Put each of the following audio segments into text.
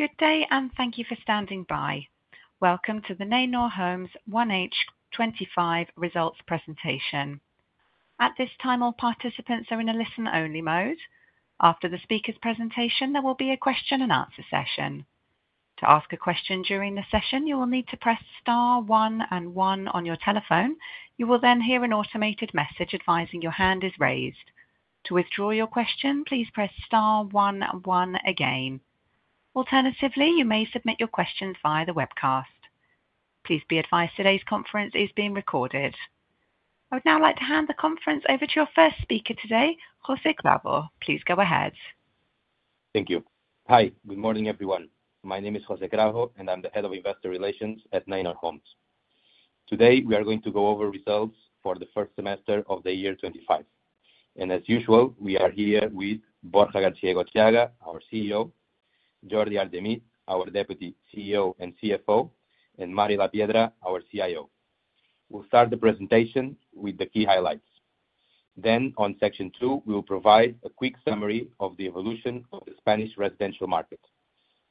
Good day, and thank you for standing by. Welcome to the Neinor Homes 1H25 results presentation. At this time, all participants are in a listen-only mode. After the speaker's presentation, there will be a question and answer session. To ask a question during the session, you will need to press *1 and 1 on your telephone. You will then hear an automated message advising your hand is raised. To withdraw your question, please press *1 and 1 again. Alternatively, you may submit your questions via the webcast. Please be advised today's conference is being recorded. I would now like to hand the conference over to our first speaker today, José Cravo. Please go ahead. Thank you. Hi, good morning everyone. My name is José Cravo and I'm the Head of Investor Relations at Neinor Homes. Today, we are going to go over results for the first semester of the year 2025. As usual, we are here with Borja García-Egotxeaga, our CEO, Jordi Argemí, our Deputy CEO and CFO, and Mario Lapiedra, our CIO. We'll start the presentation with the key highlights. In section two, we will provide a quick summary of the evolution of the Spanish residential market.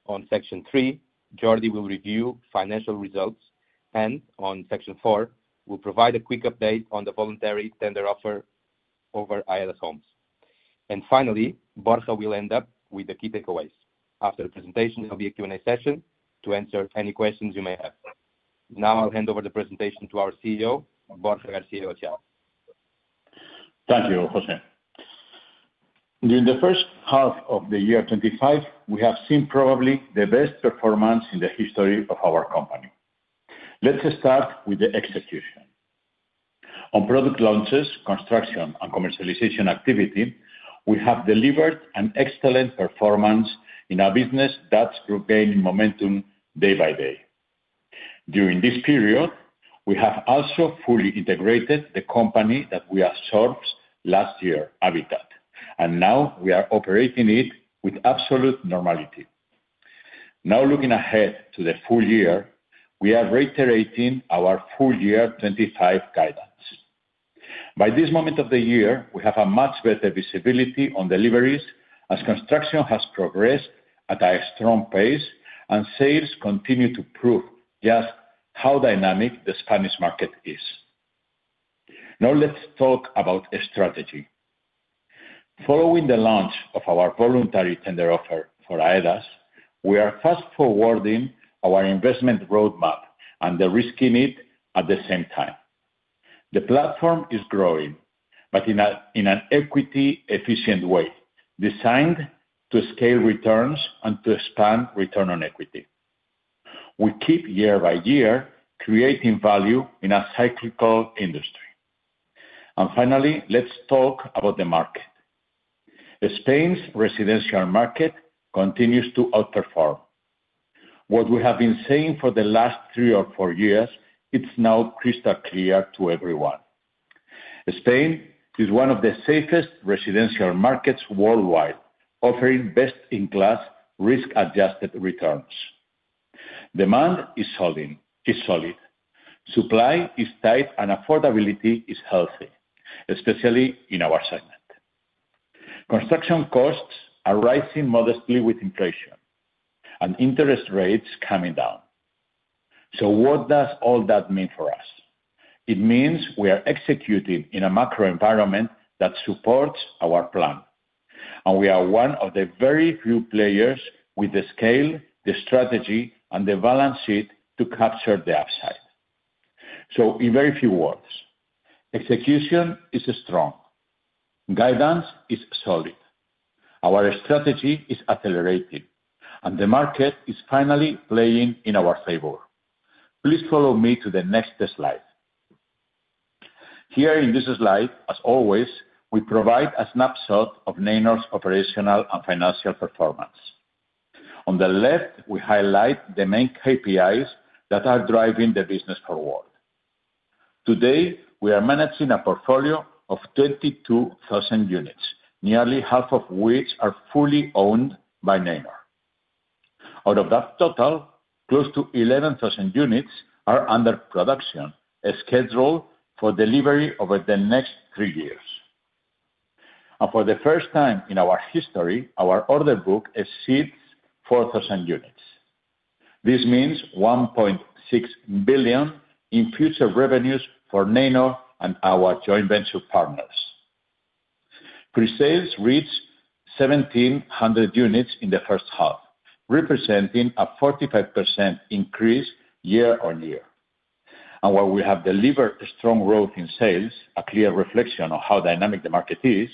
In section three, Jordi will review financial results, and in section four, we'll provide a quick update on the voluntary tender offer over Aedas Homes. Finally, Borja will end up with the key takeaways. After the presentation, there will be a Q&A session to answer any questions you may have. Now I'll hand over the presentation to our CEO, Borja García-Egotxeaga. Thank you, José. During the first half of the year 2025, we have seen probably the best performance in the history of our company. Let's start with the execution. On product launches, construction, and commercialization activity, we have delivered an excellent performance in a business that's gaining momentum day by day. During this period, we have also fully integrated the company that we acquired last year, Habitat, and now we are operating it with absolute normality. Now, looking ahead to the full year, we are reiterating our full year 2025 guidance. By this moment of the year, we have a much better visibility on deliveries as construction has progressed at a strong pace and sales continue to prove just how dynamic the Spanish market is. Now let's talk about strategy. Following the launch of our voluntary tender offer for Aedas, we are fast forwarding our investment roadmap and de-risking it at the same time. The platform is growing, but in an equity-efficient way, designed to scale returns and to expand return on equity. We keep year by year creating value in a cyclical industry. Finally, let's talk about the market. Spain's residential market continues to outperform. What we have been saying for the last three or four years, it's now crystal clear to everyone. Spain is one of the safest residential markets worldwide, offering best-in-class risk-adjusted returns. Demand is solid, supply is tight, and affordability is healthy, especially in our segment. Construction costs are rising modestly with inflation and interest rates coming down. What does all that mean for us? It means we are executing in a macro environment that supports our plan. We are one of the very few players with the scale, the strategy, and the balance sheet to capture the upside. In very few words, execution is strong, guidance is solid, our strategy is accelerating, and the market is finally playing in our favor. Please follow me to the next slide. Here in this slide, as always, we provide a snapshot of Neinor Homes' operational and financial performance. On the left, we highlight the main KPIs that are driving the business forward. Today, we are managing a portfolio of 22,000 units, nearly half of which are fully owned by Neinor. Out of that total, close to 11,000 units are under production, scheduled for delivery over the next three years. For the first time in our history, our order book exceeds 4,000 units. This means 1.6 billion in future revenues for Neinor and our joint venture partners. Pre-sales reached 1,700 units in the first half, representing a 45% increase year on year. While we have delivered strong growth in sales, a clear reflection of how dynamic the market is,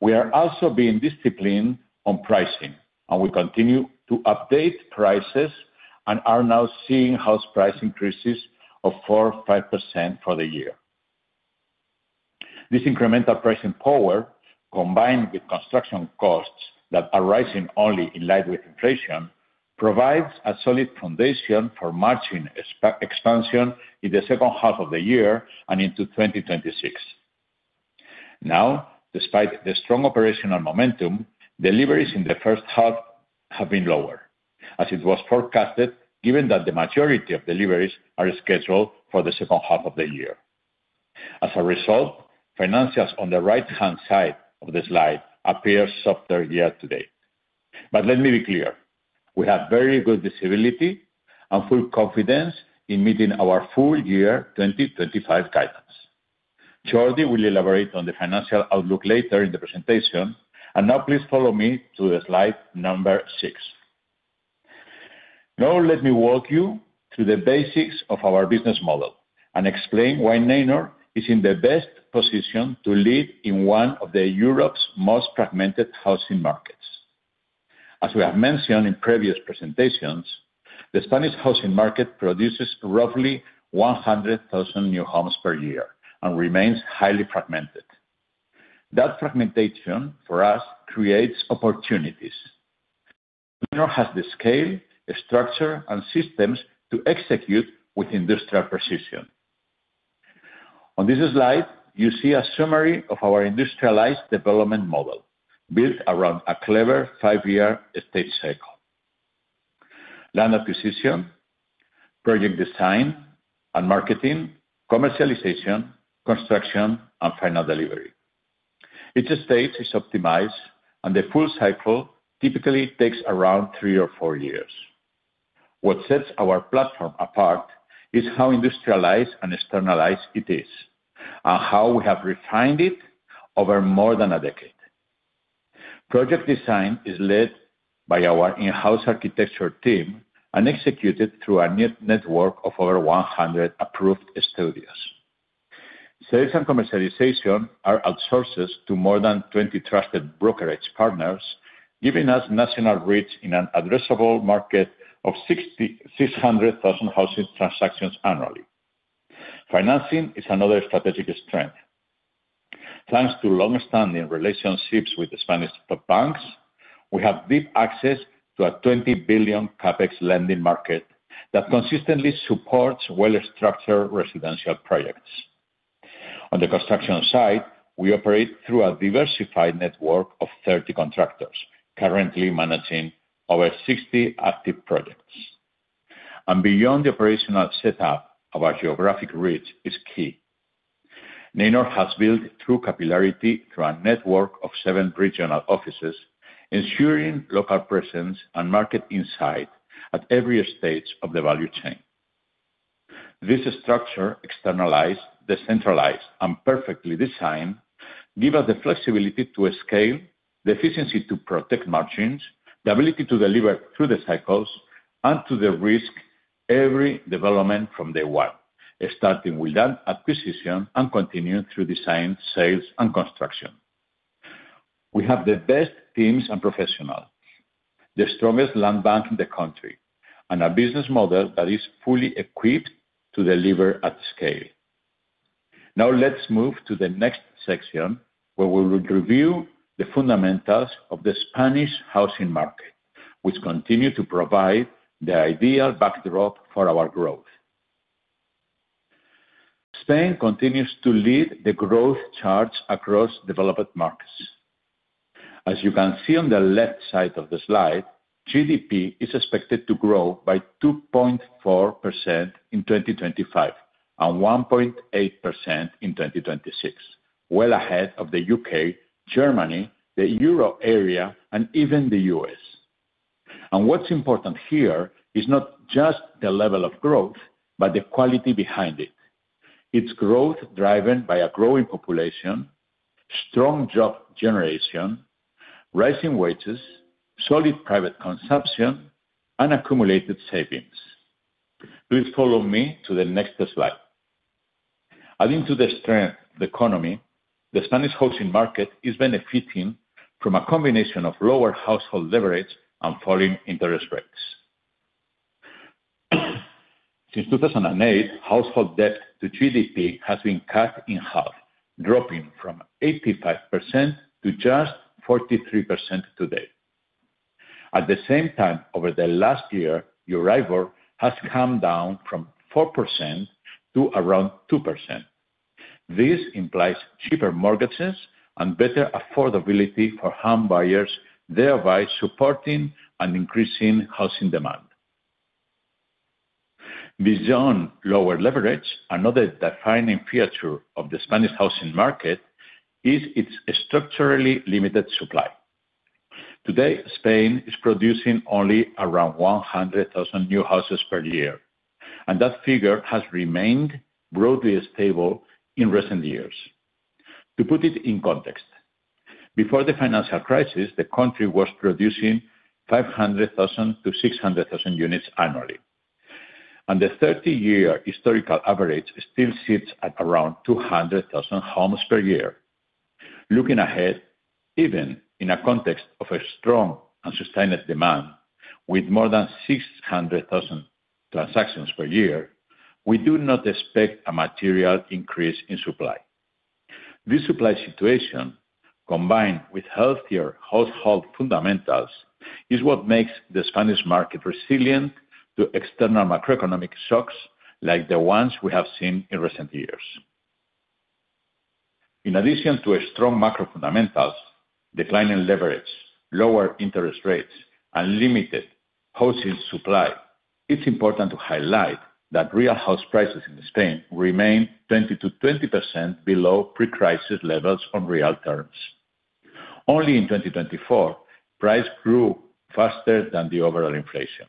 we are also being disciplined on pricing. We continue to update prices and are now seeing house price increases of 4% or 5% for the year. This incremental pricing power, combined with construction costs that are rising only in line with inflation, provides a solid foundation for margin expansion in the second half of the year and into 2026. Now, despite the strong operational momentum, deliveries in the first half have been lower, as it was forecasted, given that the majority of deliveries are scheduled for the second half of the year. As a result, financials on the right-hand side of the slide appear softer here today. Let me be clear. We have very good visibility and full confidence in meeting our full year 2025 guidance. Jordi will elaborate on the financial outlook later in the presentation. Please follow me to the slide number six. Let me walk you through the basics of our business model and explain why Neinor is in the best position to lead in one of Europe's most fragmented housing markets. As we have mentioned in previous presentations, the Spanish housing market produces roughly 100,000 new homes per year and remains highly fragmented. That fragmentation, for us, creates opportunities. Neinor has the scale, structure, and systems to execute with industrial precision. On this slide, you see a summary of our industrialized development model built around a clever five-year estate cycle: land acquisition, project design and marketing, commercialization, construction, and final delivery. Each stage is optimized, and the full cycle typically takes around three or four years. What sets our platform apart is how industrialized and externalized it is and how we have refined it over more than a decade. Project design is led by our in-house architecture team and executed through a network of over 100 approved studios. Sales and commercialization are outsourced to more than 20 trusted brokerage partners, giving us national reach in an addressable market of 600,000 housing transactions annually. Financing is another strategic strength. Thanks to long-standing relationships with the Spanish top banks, we have deep access to a 20 billion CapEx lending market that consistently supports well-structured residential projects. On the construction side, we operate through a diversified network of 30 contractors currently managing over 60 active projects. Beyond the operational setup, our geographic reach is key. Neinor Homes has built true capillarity through a network of seven regional offices, ensuring local presence and market insight at every stage of the value chain. This structure, externalized, decentralized, and perfectly designed, gives us the flexibility to scale, the efficiency to protect margins, the ability to deliver through the cycles, and to risk every development from day one, starting with land acquisition and continuing through design, sales, and construction. We have the best teams and professionals, the strongest land bank in the country, and a business model that is fully equipped to deliver at scale. Now, let's move to the next section where we will review the fundamentals of the Spanish housing market, which continue to provide the ideal backdrop for our growth. Spain continues to lead the growth charge across developed markets. As you can see on the left side of the slide, GDP is expected to grow by 2.4% in 2025 and 1.8% in 2026, well ahead of the U.K., Germany, the Europe area, and even the U.S. What's important here is not just the level of growth, but the quality behind it. It's growth driven by a growing population, strong job generation, rising wages, solid private consumption, and accumulated savings. Please follow me to the next slide. Adding to the strength of the economy, the Spanish housing market is benefiting from a combination of lower household leverage and falling interest rates. Since 2008, household debt to GDP has been cut in half, dropping from 85% to just 43% today. At the same time, over the last year, Euribor has come down from 4% to around 2%. This implies cheaper mortgages and better affordability for home buyers, thereby supporting an increasing housing demand. Beyond lower leverage, another defining feature of the Spanish housing market is its structurally limited supply. Today, Spain is producing only around 100,000 new houses per year, and that figure has remained broadly stable in recent years. To put it in context, before the financial crisis, the country was producing 500,000 to 600,000 units annually. The 30-year historical average still sits at around 200,000 homes per year. Looking ahead, even in a context of a strong and sustained demand, with more than 600,000 transactions per year, we do not expect a material increase in supply. This supply situation, combined with healthier household fundamentals, is what makes the Spanish market resilient to external macroeconomic shocks like the ones we have seen in recent years. In addition to strong macro fundamentals, declining leverage, lower interest rates, and limited housing supply, it's important to highlight that real house prices in Spain remain 20% to 20% below pre-crisis levels in real terms. Only in 2024, price grew faster than the overall inflation.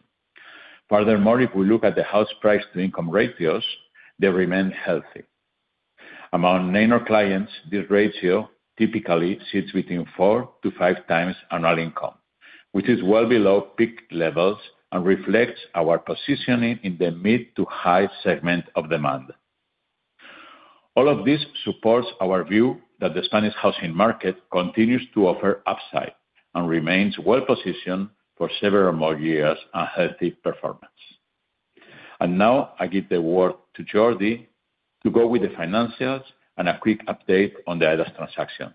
Furthermore, if we look at the house price-to-income ratios, they remain healthy. Among Neinor clients, this ratio typically sits between four to five times annual income, which is well below peak levels and reflects our positioning in the mid to high segment of demand. All of this supports our view that the Spanish housing market continues to offer upside and remains well-positioned for several more years and healthy performance. I give the word to Jordi to go with the financials and a quick update on the Aedas transaction.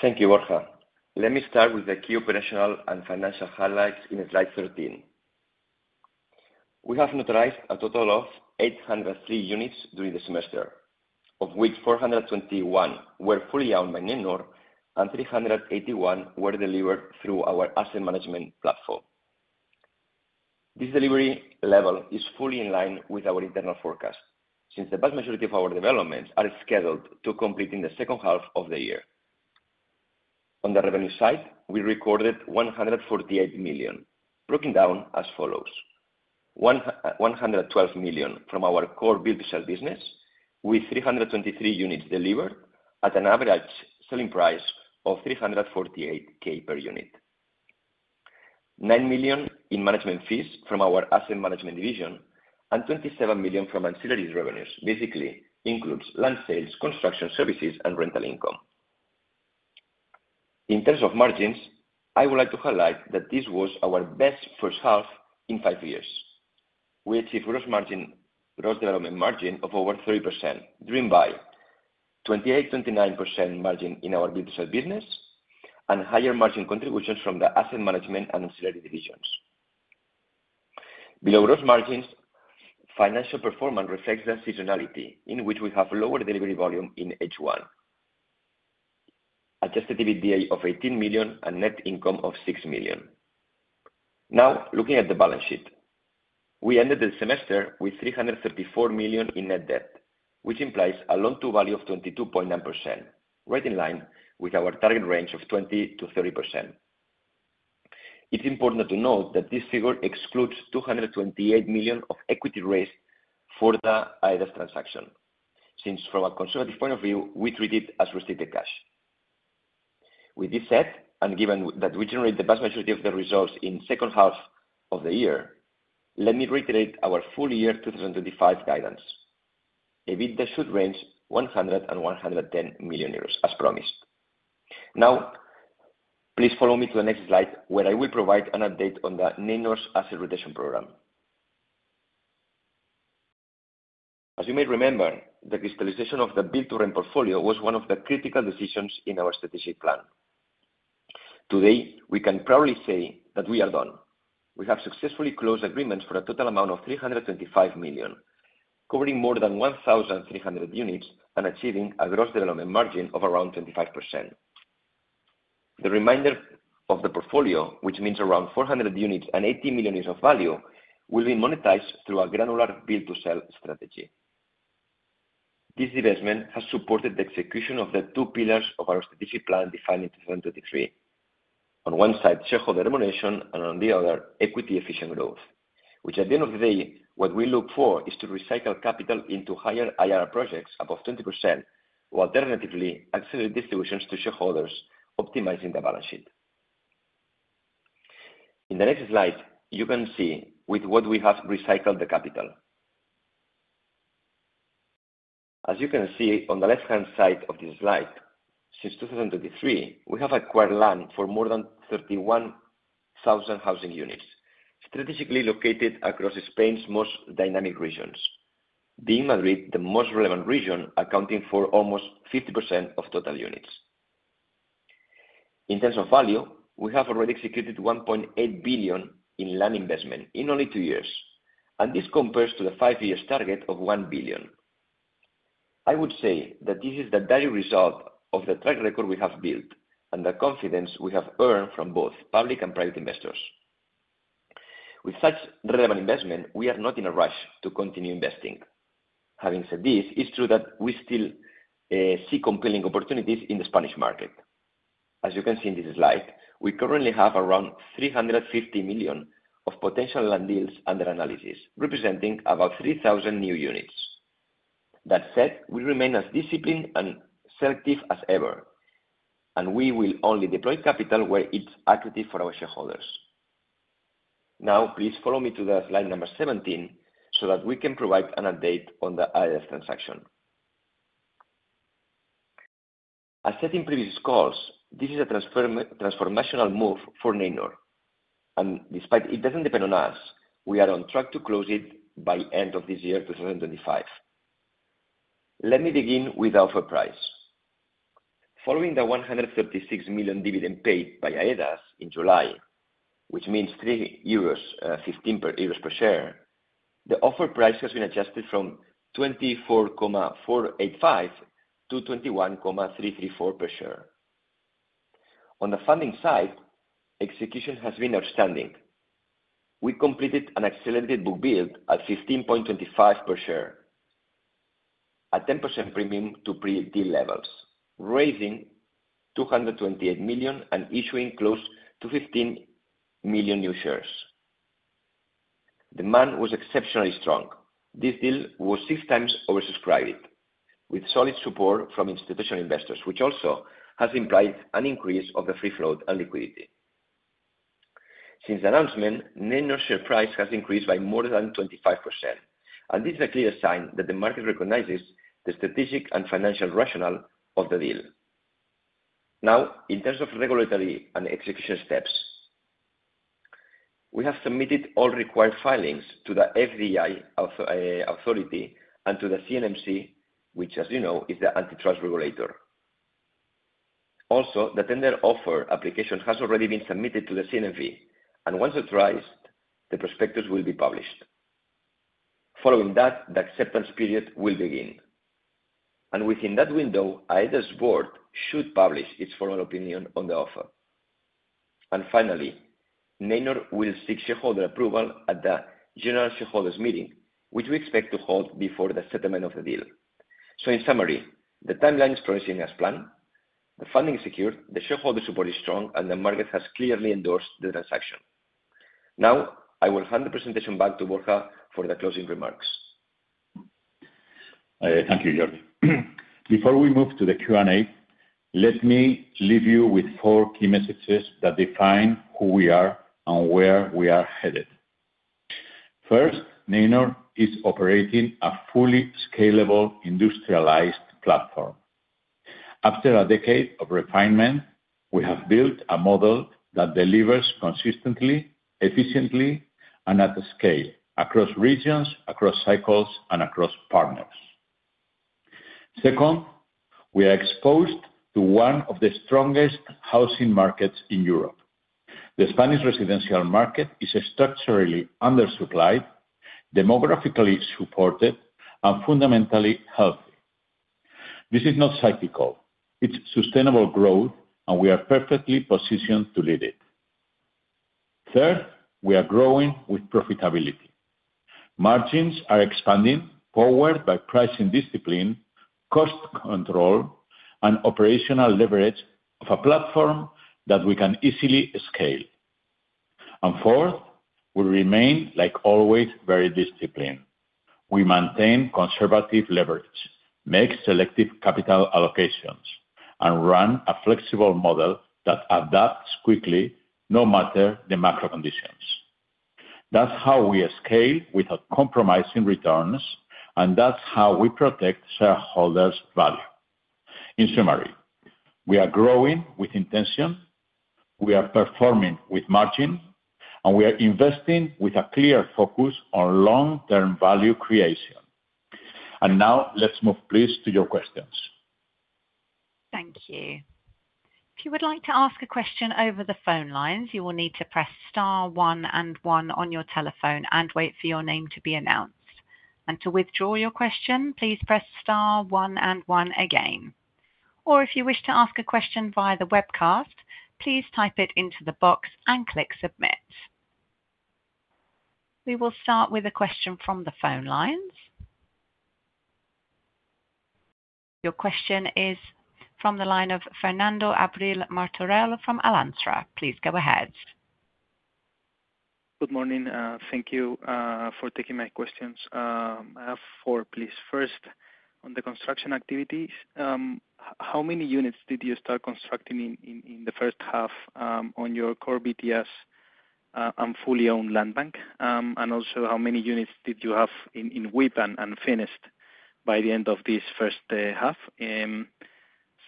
Thank you, Borja. Let me start with the key operational and financial highlights in slide 13. We have notarized a total of 803 units during the semester, of which 421 were fully owned by Neinor and 381 were delivered through our asset management platform. This delivery level is fully in line with our internal forecast since the vast majority of our developments are scheduled to complete in the second half of the year. On the revenue side, we recorded 148 million, broken down as follows: 112 million from our core build-to-sell business, with 323 units delivered at an average selling price of 348,000 per unit; 9 million in management fees from our asset management division; and 27 million from ancillary revenues, which basically includes land sales, construction services, and rental income. In terms of margins, I would like to highlight that this was our best first half in five years. We achieved gross margin, gross development margin of over 30%, driven by 28% to 29% margin in our build-to-sell business and higher margin contributions from the asset management and ancillary divisions. Below gross margins, financial performance reflects the seasonality in which we have lower delivery volume in H1, adjusted EBITDA of 18 million and net income of 6 million. Now, looking at the balance sheet, we ended the semester with 334 million in net debt, which implies a loan-to-value of 22.9%, right in line with our target range of 20% to 30%. It's important to note that this figure excludes 228 million of equity raised for the Aedas transaction since, from a conservative point of view, we treat it as restricted cash. With this said, and given that we generate the vast majority of the results in the second half of the year, let me reiterate our full year 2025 guidance. EBITDA should range 100 million euros to 110 million euros as promised. Now, please follow me to the next slide where I will provide an update on Neinor's asset rotation program. As you may remember, the crystallization of the build-to-rent portfolio was one of the critical decisions in our strategic plan. Today, we can proudly say that we are done. We have successfully closed agreements for a total amount of 325 million, covering more than 1,300 units and achieving a gross development margin of around 25%. The remainder of the portfolio, which means around 400 units and 18 million of value, will be monetized through a granular build-to-sell strategy. This investment has supported the execution of the two pillars of our strategic plan defined in 2023. On one side, shareholder remuneration and on the other, equity-efficient growth, which at the end of the day, what we look for is to recycle capital into higher IRR projects above 20%, or alternatively, accelerate distributions to shareholders, optimizing the balance sheet. In the next slide, you can see where we have recycled the capital. As you can see on the left-hand side of this slide, since 2023, we have acquired land for more than 31,000 housing units, strategically located across Spain's most dynamic regions, with Madrid being the most relevant region, accounting for almost 50% of total units. In terms of value, we have already executed 1.8 billion in land investment in only two years. This compares to the five-year target of 1 billion. I would say that this is the direct result of the track record we have built and the confidence we have earned from both public and private investors. With such relevant investment, we are not in a rush to continue investing. Having said this, it's true that we still see compelling opportunities in the Spanish market. As you can see in this slide, we currently have around 350 million of potential land deals under analysis, representing about 3,000 new units. That said, we remain as disciplined and selective as ever. We will only deploy capital where it's attractive for our shareholders. Now, please follow me to slide number 17 so that we can provide an update on the Aedas Homes transaction. As said in previous calls, this is a transformational move for Neinor Homes. Despite it doesn't depend on us, we are on track to close it by the end of 2025. Let me begin with the offer price. Following the 136 million dividend paid by Aedas in July, which means 3.15 euros per share, the offer price has been adjusted from 24.485 to 21.334 per share. On the funding side, execution has been outstanding. We completed an accelerated book build at 15.25 per share, a 10% premium to pre-deal levels, raising 228 million and issuing close to 15 million new shares. Demand was exceptionally strong. This deal was six times oversubscribed, with solid support from institutional investors, which also has implied an increase of the free float and liquidity. Since the announcement, Neinor Homes' share price has increased by more than 25%. This is a clear sign that the market recognizes the strategic and financial rationale of the deal. Now, in terms of regulatory and execution steps, we have submitted all required filings to the FDI authority and to the CNMC, which, as you know, is the antitrust regulator. Also, the tender offer application has already been submitted to the CNMC. Once it arrives, the prospectus will be published. Following that, the acceptance period will begin. Within that window, Aedas Homes board should publish its formal opinion on the offer. Finally, Neinor Homes will seek shareholder approval at the general shareholders' meeting, which we expect to hold before the settlement of the deal. In summary, the timeline is progressing as planned. The funding is secured, the shareholder support is strong, and the market has clearly endorsed the transaction. Now, I will hand the presentation back to Borja for the closing remarks. Thank you, Jordi. Before we move to the Q&A, let me leave you with four key messages that define who we are and where we are headed. First, Neinor Homes is operating a fully scalable industrialized platform. After a decade of refinement, we have built a model that delivers consistently, efficiently, and at scale across regions, across cycles, and across partners. Second, we are exposed to one of the strongest housing markets in Europe. The Spanish residential market is structurally undersupplied, demographically supported, and fundamentally healthy. This is not cyclical. It's sustainable growth, and we are perfectly positioned to lead it. Third, we are growing with profitability. Margins are expanding forward by pricing discipline, cost control, and operational leverage of a platform that we can easily scale. Fourth, we remain, like always, very disciplined. We maintain conservative leverage, make selective capital allocations, and run a flexible model that adapts quickly, no matter the macro conditions. That's how we scale without compromising returns, and that's how we protect shareholders' value. In summary, we are growing with intention, we are performing with margin, and we are investing with a clear focus on long-term value creation. Now, let's move, please, to your questions. Thank you. If you would like to ask a question over the phone lines, you will need to press *1 and 1 on your telephone and wait for your name to be announced. To withdraw your question, please press *1 and 1 again. If you wish to ask a question via the webcast, please type it into the box and click Submit. We will start with a question from the phone lines. Your question is from the line of Fernando Abril-Martorell from Alantra. Please go ahead. Good morning. Thank you for taking my questions. I have four, please. First, on the construction activities, how many units did you start constructing in the first half on your core build-to-sell and fully owned land bank? Also, how many units did you have in WIP and finished by the end of this first half?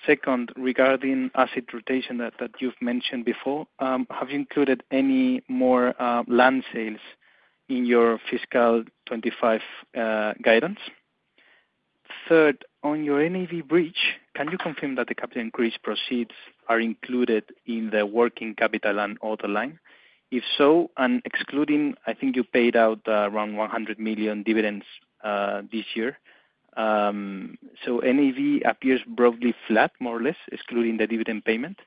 Second, regarding asset rotation that you've mentioned before, have you included any more land sales in your fiscal 2025 guidance? Third, on your NAV bridge, can you confirm that the capital increase proceeds are included in the working capital and auto line? If so, excluding, I think you paid out around 100 million dividends this year. NAV appears broadly flat, more or less, excluding the dividend payment.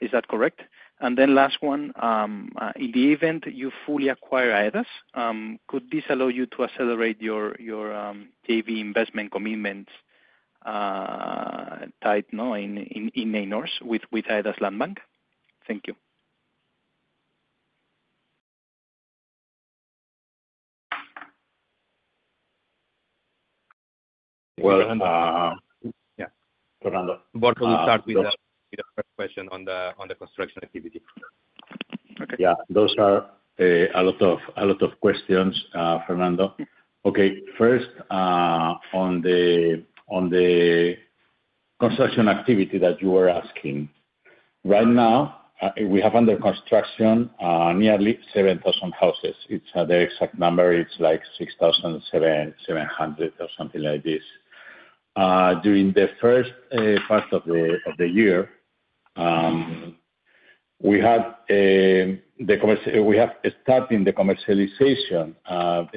Is that correct? Last one, in the event you fully acquire Aedas, could this allow you to accelerate your JV investment commitments tied in Neinor's with Aedas Landbank? Thank you. Fernando, Borja will start with the first question on the construction activity. Those are a lot of questions, Fernando. Okay. First, on the construction activity that you were asking, right now, we have under construction nearly 7,000 houses. The exact number is like 6,700 or something like this. During the first part of the year, we have started the commercialization of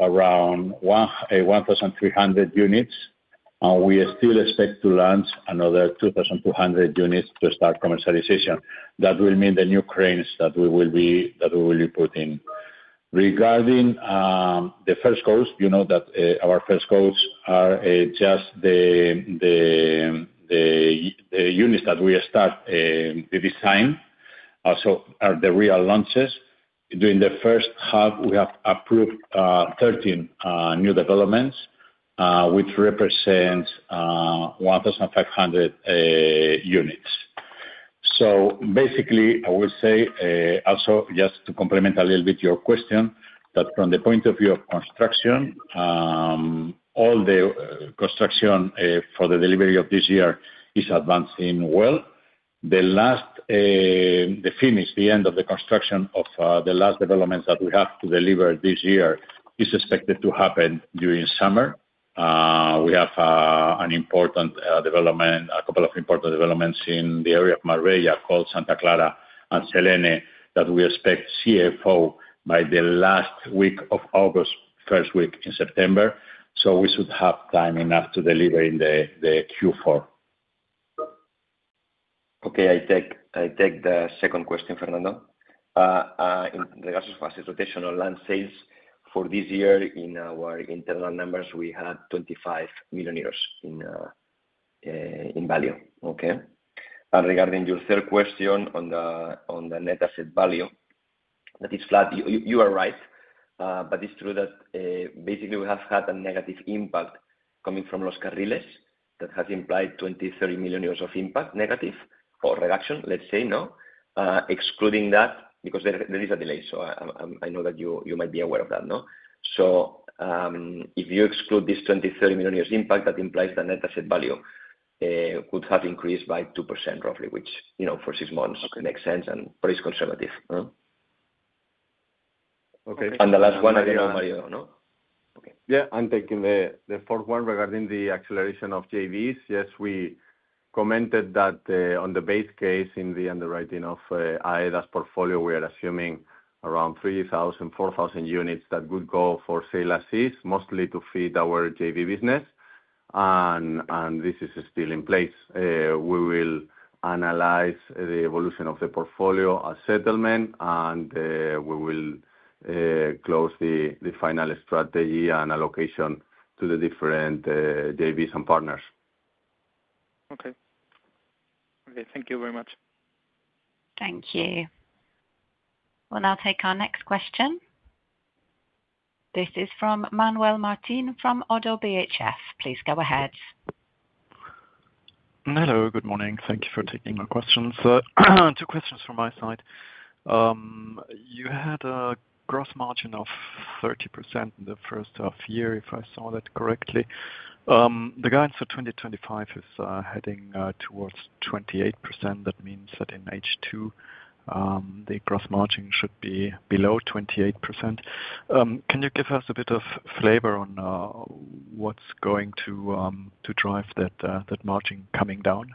around 1,300 units, and we still expect to launch another 2,200 units to start commercialization. That will mean the new cranes that we will be putting. Regarding the first goals, you know that our first goals are just the units that we start the design, so the real launches. During the first half, we have approved 13 new developments, which represent 1,500 units. Basically, I would say, also, just to complement a little bit your question, that from the point of view of construction, all the construction for the delivery of this year is advancing well. The finish, the end of the construction of the last developments that we have to deliver this year is expected to happen during summer. We have an important development, a couple of important developments in the area of Marbella called Santa Clara and Selene that we expect CFO by the last week of August, first week in September. We should have time enough to deliver in Q4. Okay. I take the second question, Fernando. In regards to asset rotation or land sales, for this year, in our internal numbers, we had 25 million euros in value. Regarding your third question on the net asset value, that is flat. You are right. It's true that basically we have had a negative impact coming from Los Carriles that has implied 20-30 million euros of impact negative or reduction, let's say, no? Excluding that, because there is a delay. I know that you might be aware of that, no? If you exclude this 20-30 million impact, that implies the net asset value could have increased by 2% roughly, which, you know, for six months, it makes sense and pretty conservative. Okay. The last one, I don't know, Mario, no? I'm taking the fourth one regarding the acceleration of JVs. Yes, we commented that on the base case in the underwriting of Aedas Homes portfolio, we are assuming around 3,000, 4,000 units that would go for sale as is, mostly to feed our JV business. This is still in place. We will analyze the evolution of the portfolio as settlement, and we will close the final strategy and allocation to the different JVs and partners. Okay, Thank you very much. Thank you. We'll now take our next question. This is from Manuel Martin from Oddo BHF. Please go ahead. Hello. Good morning. Thank you for taking my questions. Two questions from my side. You had a gross margin of 30% in the first half year, if I saw that correctly. The guidance for 2025 is heading towards 28%. That means that in H2, the gross margin should be below 28%. Can you give us a bit of flavor on what's going to drive that margin coming down?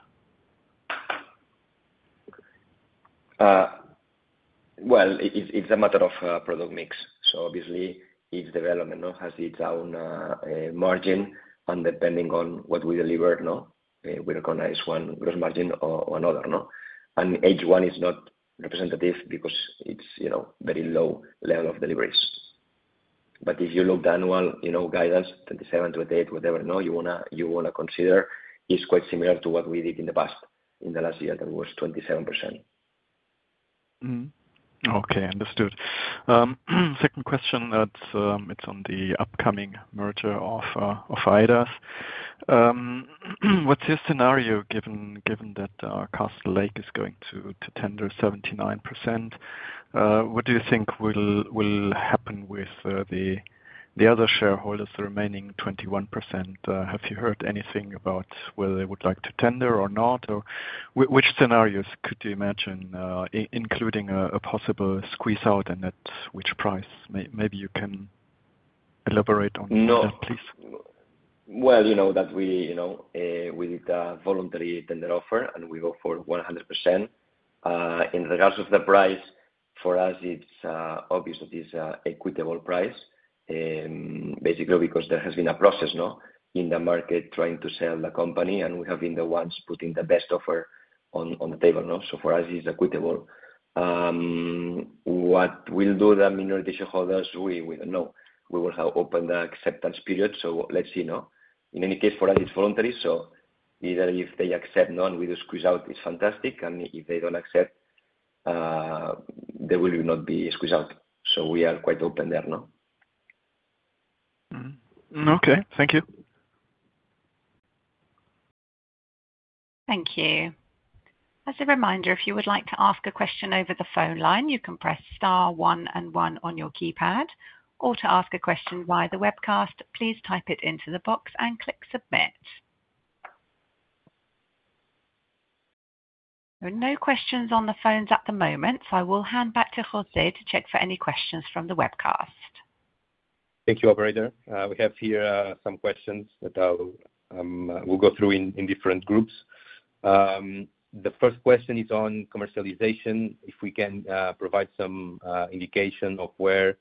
It is a matter of product mix. Obviously, each development has its own margin, and depending on what we deliver, we recognize one gross margin or another. H1 is not representative because it is a very low level of deliveries. If you look at the annual guidance, 27%, 28%, whatever you want to consider, it is quite similar to what we did in the past. In the last year, that was 27%. Okay. Understood. Second question, it's on the upcoming merger of Aedas. What's your scenario given that Casablanca is going to tender 79%? What do you think will happen with the other shareholders, the remaining 21%? Have you heard anything about whether they would like to tender or not? Which scenarios could you imagine including a possible squeeze-out and at which price? Maybe you can elaborate on that, please. You know that we did a voluntary tender offer, and we go for 100%. In regards to the price, for us, it's obvious that it's an equitable price, basically, because there has been a process in the market trying to sell the company, and we have been the ones putting the best offer on the table. For us, it's equitable. What the minority shareholders will do, we don't know. We will have opened the acceptance period. Let's see. In any case, for us, it's voluntary. Either if they accept and we do squeeze out, it's fantastic. If they don't accept, there will not be a squeeze out. We are quite open there. Okay, thank you. Thank you. As a reminder, if you would like to ask a question over the phone line, you can press *1 and 1 on your keypad. To ask a question via the webcast, please type it into the box and click Submit. There are no questions on the phones at the moment, so I will hand back to José to check for any questions from the webcast. Thank you, operator. We have here some questions that I'll go through in different groups. The first question is on commercialization, if we can provide some indication of where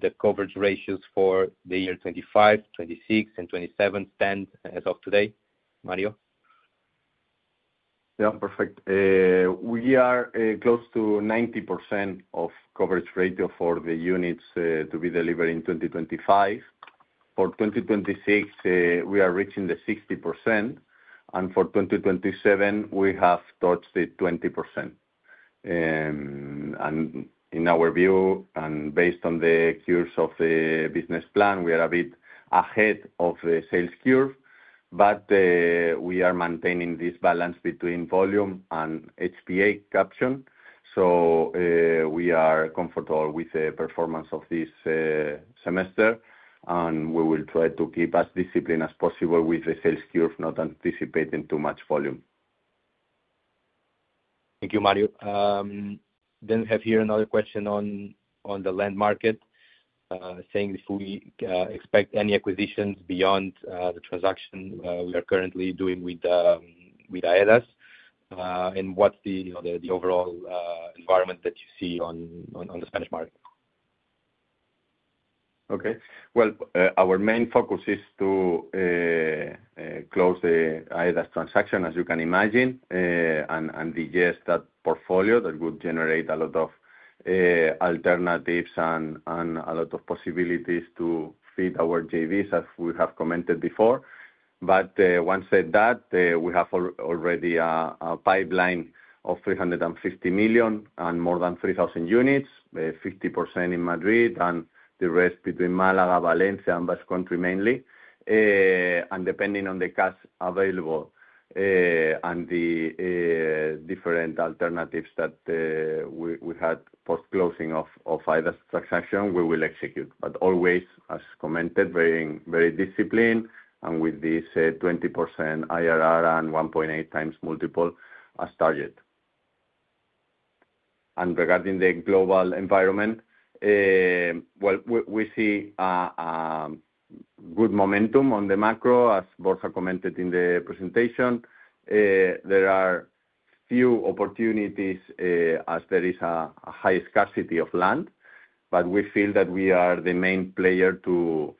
the coverage ratios for the year 2025, 2026, and 2027 stand as of today. Mario. Perfect. We are close to 90% of coverage ratios for the units to be delivered in 2025. For 2026, we are reaching the 60%. For 2027, we have touched the 20%. In our view, and based on the curves of the business plan, we are a bit ahead of the sales curve. We are maintaining this balance between volume and HPA caption. We are comfortable with the performance of this semester. We will try to keep as disciplined as possible with the sales curve, not anticipating too much volume. Thank you, Mario. We have here another question on the land market, saying if we expect any acquisitions beyond the transaction we are currently doing with Aedas Homes, and what's the overall environment that you see on the Spanish market. Our main focus is to close the Aedas Homes transaction, as you can imagine, and digest that portfolio that would generate a lot of alternatives and a lot of possibilities to feed our JVs, as we have commented before. Once said that, we have already a pipeline of 350 million and more than 3,000 units, 50% in Madrid and the rest between Málaga, Valencia, and Basque Country mainly. Depending on the cash available and the different alternatives that we had post-closing of the Aedas Homes transaction, we will execute. Always, as commented, very, very disciplined and with this 20% IRR and 1.8 times multiple as target. Regarding the global environment, we see good momentum on the macro, as Borja García-Egotxeaga commented in the presentation. There are few opportunities as there is a high scarcity of land. We feel that we are the main player to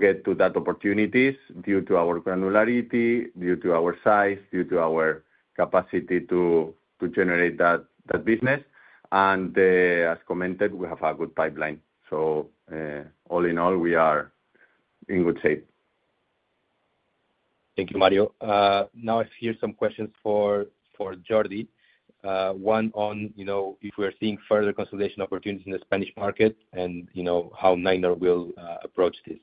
get to that opportunity due to our granularity, due to our size, due to our capacity to generate that business. As commented, we have a good pipeline. All in all, we are in good shape. Thank you, Mario. Now I see here some questions for Jordi. One on, you know, if we are seeing further consolidation opportunities in the Spanish market and, you know, how Neinor will approach this.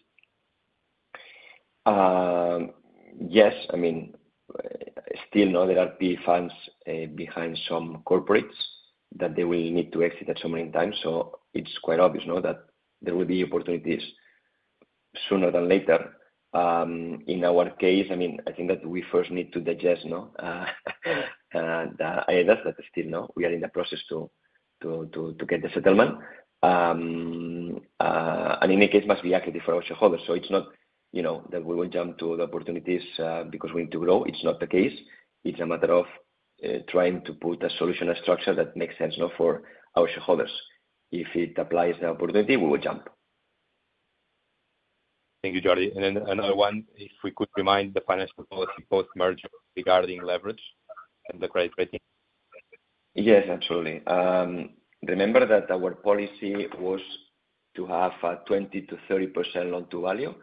Yes, I mean, still, there are big funds behind some corporates that they will need to exit at some point in time. It's quite obvious that there will be opportunities sooner than later. In our case, I mean, I think that we first need to digest the Aedas, but still, we are in the process to get the settlement. In any case, it must be active for our shareholders. It's not that we will jump to the opportunities because we need to grow. It's not the case. It's a matter of trying to put a solution and structure that makes sense for our shareholders. If it applies to the opportunity, we will jump. Thank you, Jordi. Another one, if we could remind the finance policy post-merger regarding leverage and the credit rating. Yes, absolutely. Remember that our policy was to have a 20% to 30% loan-to-value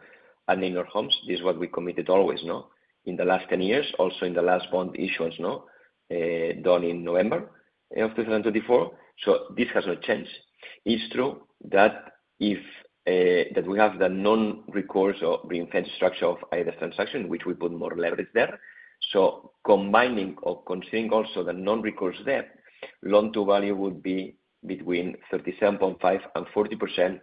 at Neinor Homes. This is what we committed always, no? In the last 10 years, also in the last bond issuance done in November of 2024. This has not changed. It's true that if we have the non-recourse or reinvented structure of Aedas transaction, which we put more leverage there. Combining or considering also the non-recourse there, loan-to-value would be between 37.5% and 40%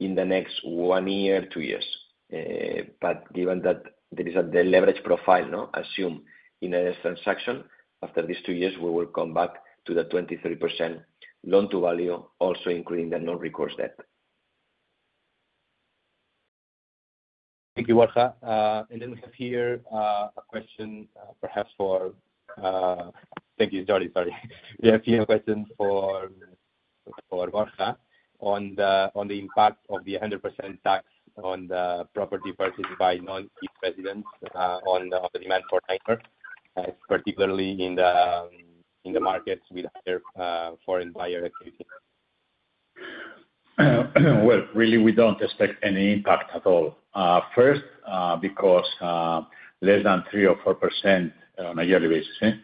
in the next one year, two years. Given that there is a leverage profile, assume in the transaction, after these two years, we will come back to the 20% to 30% loan-to-value, also including the non-recourse debt. Thank you. We have here a question, perhaps for thank you, Jordi. We have here a question for Borja on the impact of the 100% tax on the property purchased by non-chief residents of the demand for timber, particularly in the markets with higher foreign buyer activity. Really, we don't expect any impact at all. First, because less than 3% or 4% on a yearly basis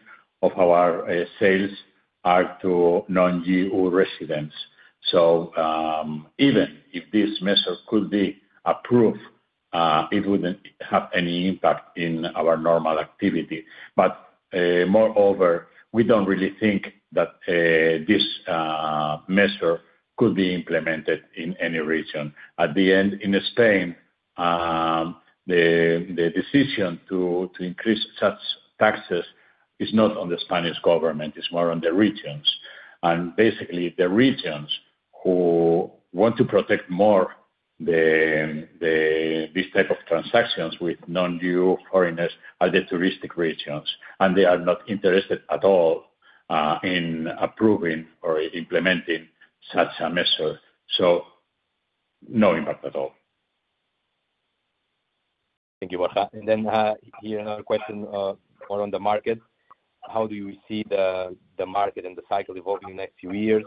of our sales are to non-EU residents. Even if these measures could be approved, it wouldn't have any impact in our normal activity. Moreover, we don't really think that this measure could be implemented in any region. At the end, in Spain, the decision to increase such taxes is not on the Spanish government. It's more on the regions. Basically, the regions who want to protect more these types of transactions with non-EU foreigners are the touristic regions, and they are not interested at all in approving or implementing such a measure. No impact at all. Thank you, Borja. Here is another question on the market. How do you see the market and the cycle evolving in the next few years?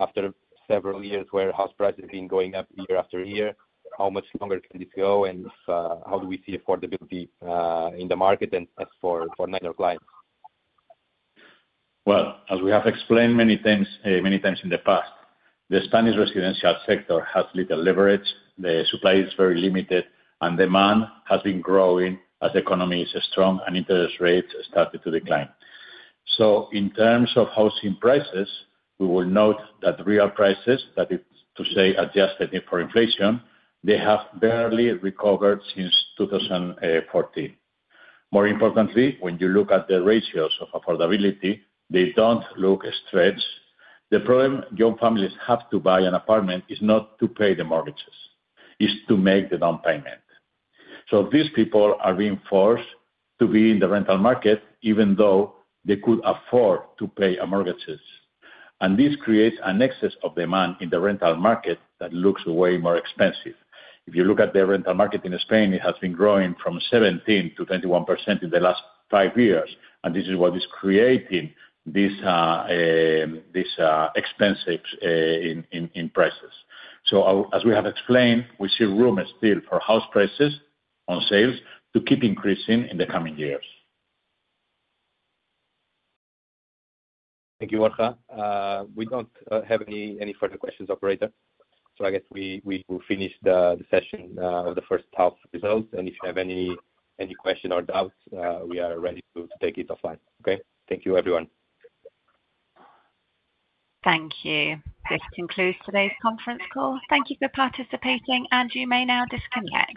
After several years where house prices have been going up year after year, how much longer can this go? How do we see affordability in the market and for Neinor clients? As we have explained many times in the past, the Spanish residential sector has little leverage. The supply is very limited, and demand has been growing as the economy is strong and interest rates started to decline. In terms of housing prices, we will note that real prices, that is to say adjusted for inflation, they have barely recovered since 2014. More importantly, when you look at the ratios of affordability, they don't look straight. The problem young families have to buy an apartment is not to pay the mortgages. It's to make the down payment. These people are being forced to be in the rental market even though they could afford to pay mortgages. This creates an excess of demand in the rental market that looks way more expensive. If you look at the rental market in Spain, it has been growing from 17% to 21% in the last five years. This is what is creating this expensive in prices. As we have explained, we see room still for house prices on sales to keep increasing in the coming years. Thank you, Borja. We don't have any further questions, operator. I guess we will finish the session with the first half results. If you have any questions or doubts, we are ready to take it offline. Okay? Thank you, everyone. Thank you. This concludes today's conference call. Thank you for participating, and you may now disconnect.